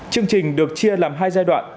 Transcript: chương trình được chia làm hai giai đoạn